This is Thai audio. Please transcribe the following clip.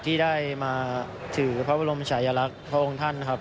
ที่ได้มาถือพระบรมชายลักษณ์พระองค์ท่านนะครับ